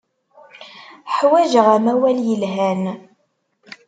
Ḥwajeɣ amawal yelhan.